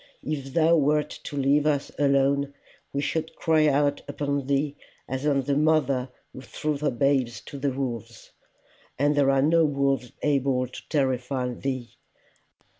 If thou wert to leave us alone, we should cry out upon thee as on the mother who threw her babes to the wolves and there are no wolves able to terrify thee.